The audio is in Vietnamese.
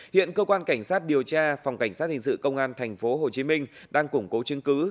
hiện cơ quan cảnh sát điều tra phòng cảnh sát hình sự công an tp hcm đang củng cố chứng cứ